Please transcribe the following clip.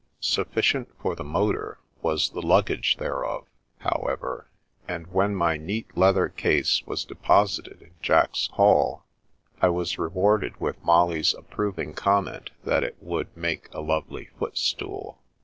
Sufficient for the motor was the luggage thereof, however, and when my neat leather case was deposited in Jack's hall, I was re warded with Molly's approving comment that it would " make a lovely footstool."